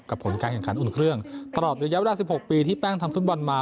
กับผลการแข่งขันอุณเครื่องตลอดอย่างยาวดา๑๖ปีที่แป้งทำธุรกิจบอลมา